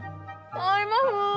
合います